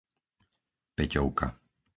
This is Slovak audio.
Peťovka